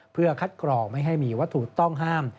เพื่อคัดกรองไม่ให้มีวัตถุต้องห้าม